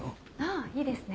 あいいですね。